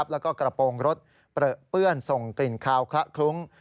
และกระโปรงรถเปลื้อนส่งกลิ่นคลาวคละคลุ้ง